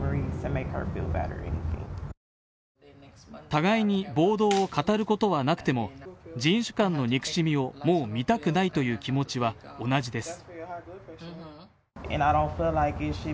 互いに暴動を語ることはなくても人種間の憎しみをもう見たくないという気持ちは同じです。